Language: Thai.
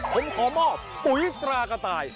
ผมขอมอบปุ๋ยตรากระต่าย